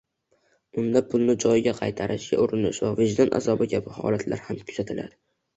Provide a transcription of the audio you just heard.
unda pulni joyiga qaytarishga urinish va vijdon azobi kabi holatlar ham kuzatiladi.